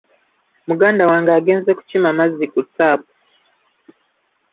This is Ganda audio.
Muganda wange agenze kukima mazzi ku ttaapu.